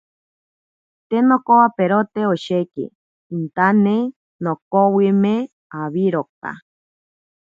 Te nonkowaperote osheki, intane nokovwime awiroka.